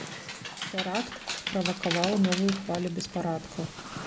Тэракт справакаваў новую хвалю беспарадкаў.